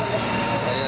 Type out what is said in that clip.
jadi air juga apa artinya